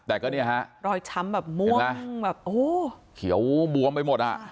แต่ก็เนี่ยฮะรอยช้ำแบบม่วงนั่งแบบโอ้โหเขียวบวมไปหมดอ่ะ